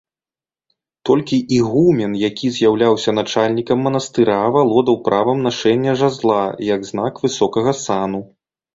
Толькі ігумен, які з'яўляўся начальнікам манастыра, валодаў правам нашэння жазла, як знак высокага сану.